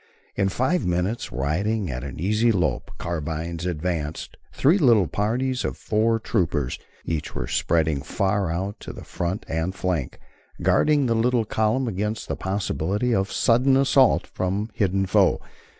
In five minutes, riding at easy lope, carbines advanced, three little parties of four troopers each were spreading far out to the front and flank, guarding the little column against the possibility of sudden assault from hidden foe.